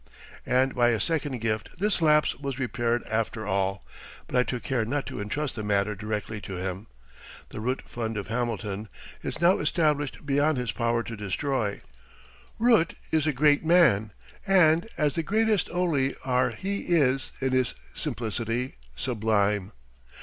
And by a second gift this lapse was repaired after all, but I took care not to entrust the matter directly to him. The Root Fund of Hamilton is now established beyond his power to destroy. Root is a great man, and, as the greatest only are he is, in his simplicity, sublime.